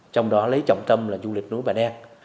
trong đó lấy trọng tâm là du lịch núi bà đen